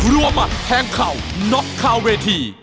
รวมมาแห่งข่าวนอกข่าวเวที